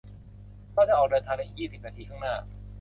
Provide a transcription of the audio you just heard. เราจะออกเดินทางในอีกยี่สิบนาทีข้างหน้า